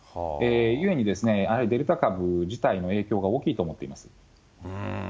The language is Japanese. ゆえに、やはりデルタ株自体の影響が大きいと思っています。